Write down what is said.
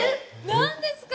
何ですか？